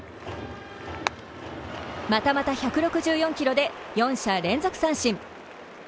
またまた１６４キロで４者連続三振。